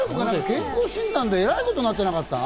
健康診断でえらいことになってなかった？